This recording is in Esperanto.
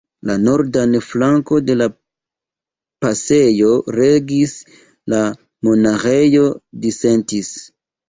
La nordan flankon de la pasejo regis la Monaĥejo Disentis.